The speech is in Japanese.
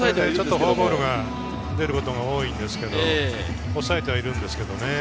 フォアボールが出ることが多いんですけど、抑えてはいるんですけどね。